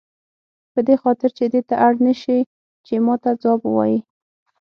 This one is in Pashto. په دې خاطر چې ته دې ته اړ نه شې چې ماته ځواب ووایې.